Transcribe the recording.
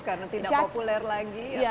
karena tidak populer lagi